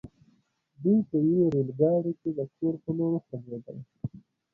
دوی په يوه ريل ګاډي کې د کور پر لور وخوځېدل.